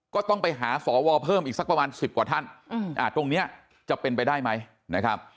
ก็ต้องไปหาสวเพิ่มอีกสักประมาณ๑๐กว่าท่านตรงนี้จะเป็นไปได้ไหมนะครับ